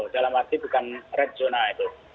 dalam arti bukan red zona itu